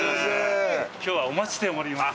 今日はお待ちしておりました。